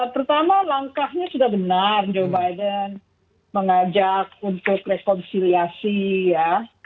pertama langkahnya sudah benar joe biden mengajak untuk rekonsiliasi ya